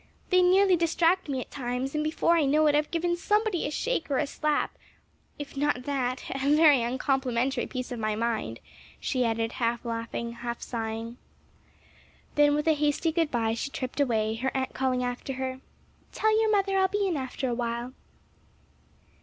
They nearly distract me at times and before I know it I've given somebody a shake or a slap, or if not that, a very uncomplimentary piece of my mind," she added half laughing, half sighing. Then with a hasty good bye she tripped away, her aunt calling after her, "Tell your mother I'll be in after a while."